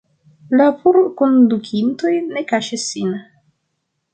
La forkondukintoj ne kaŝis sin.